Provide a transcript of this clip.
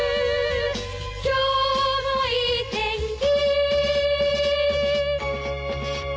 「今日もいい天気」